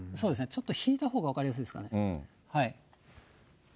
ちょっと引いたほうが分かりやすいですかね。